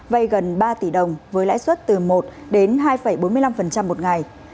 vay gần ba tỷ đồng với lãi suất từ một đến hai bốn mươi năm một ngày